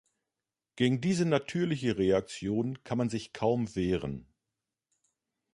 Gegen diese natürliche Reaktion kann man sich kaum wehren.